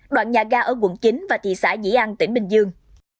đoạn nhà ga ở quận chín và thị xã dĩ an tỉnh bình dương